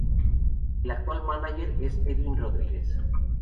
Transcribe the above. El actual mánager es Edwin Rodríguez.